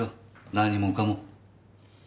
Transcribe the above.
何もかも。